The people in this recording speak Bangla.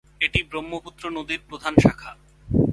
এটি ব্রহ্মপুত্র নদীর প্রধান শাখা।